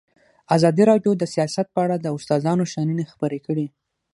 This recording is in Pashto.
ازادي راډیو د سیاست په اړه د استادانو شننې خپرې کړي.